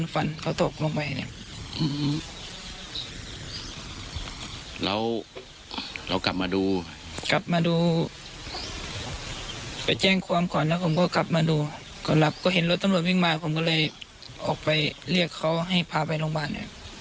ฟับยิงมาก็เลยไปเรียกเขาไว้พาไปโรงพยาบาล